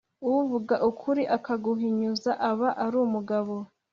Uvuga ukuri akaguhinyuza aba ar’umugabo